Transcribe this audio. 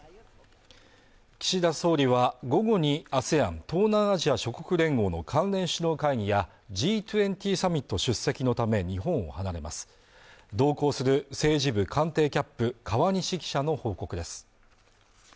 岸田総理は午後にＡＳＥＡＮ＝東南アジア諸国連合の関連首脳会議やＧ２０サミット出席のため日本を離れます同行する政治部官邸キャップ川西記者の報告です